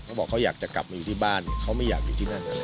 เขาบอกเขาอยากจะกลับมาอยู่ที่บ้านเนี่ยเขาไม่อยากอยู่ที่นั่น